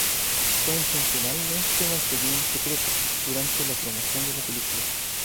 Fue intencionalmente mantenida en secreto durante la promoción de la película.